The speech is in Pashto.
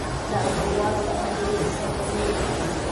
د امواس د هدیرې کیسه جالبه ده.